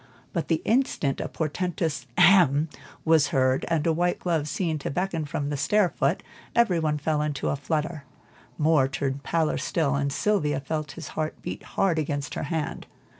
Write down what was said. But the instant a portentous "Hem!" was heard, and a white glove seen to beckon from the stair foot, every one fell into a flutter. Moor turned paler still, and Sylvia felt his heart beat hard against her hand.